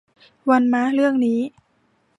วันมะเรื่องนี้